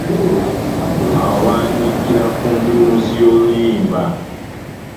Awandikira ku ntunussi y'oluyimba .